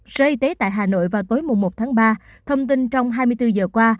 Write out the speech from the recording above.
sở y tế tại hà nội vào tối một tháng ba thông tin trong hai mươi bốn giờ qua